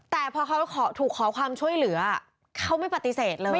แต่พอเขาถูกขอความช่วยเหลือเขาไม่ปฏิเสธเลย